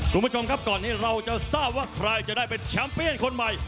คุณผู้ชมครับก่อนที่เราจะทราบว่าใครจะได้เป็นแชมป์เปียนคนใหม่